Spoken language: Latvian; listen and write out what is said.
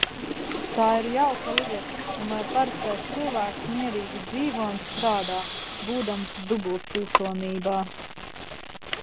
Tā ir jauka lieta, un lai parastais cilvēks mierīgi dzīvo un strādā, būdams dubultpilsonībā.